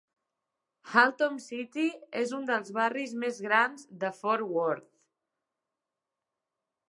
Haltom City és un dels barris més grans de Fort Worth.